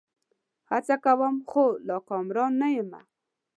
هڅه کوم؛ خو لا کامران نه یمه